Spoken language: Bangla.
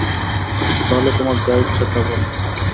তাহলে তোমার যা ইচ্ছা তা বলো।